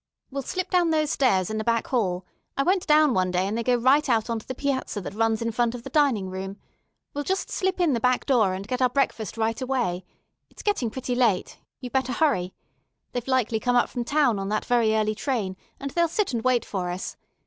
"We'll slip down those stairs in the back hall. I went down one day, and they go right out on the piazza that runs in front of the dining room. We'll just slip in the back door, and get our breakfast right away. It's getting pretty late. You better hurry. They've likely come up from town on that very early train, and they'll sit and wait for us.